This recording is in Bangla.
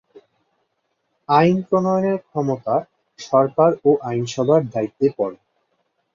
আইন প্রণয়নের ক্ষমতা সরকার ও আইনসভার দায়িত্বে পড়ে।